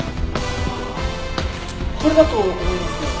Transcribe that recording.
これだと思いますけど。